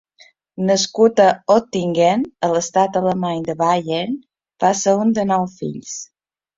Nascut a Oettingen, a l'estat alemany de Bayern, va ser un de nou fills.